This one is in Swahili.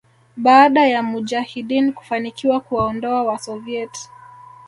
baada ya Mujahideen kufanikiwa kuwaondoa Wasoviet